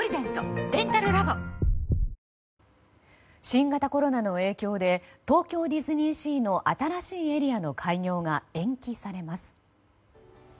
新型コロナの影響で東京ディズニーシーの新しいエリアの開業が延期されます。